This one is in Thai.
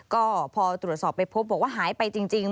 ก็พอตรวจสอบไปพบบอกว่าหายไปจริง